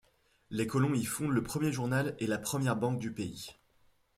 Les colons y fondent le premier journal et la première banque du pays.